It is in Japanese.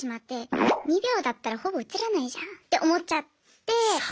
２秒だったらほぼ映らないじゃんって思っちゃって。